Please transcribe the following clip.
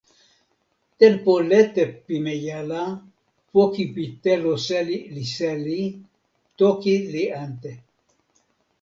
tenpo lete pimeja la, poki pi telo seli li seli, toki li ante